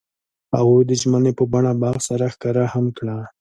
هغوی د ژمنې په بڼه باغ سره ښکاره هم کړه.